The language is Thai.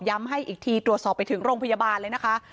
ให้อีกทีตรวจสอบไปถึงโรงพยาบาลเลยนะคะ